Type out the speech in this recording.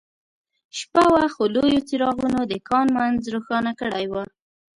شپه وه خو لویو څراغونو د کان منځ روښانه کړی و